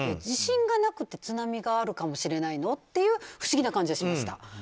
地震がなくて津波があるかもしれないのという不思議な感じはしました。